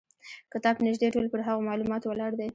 کتاب نیژدې ټول پر هغو معلوماتو ولاړ دی.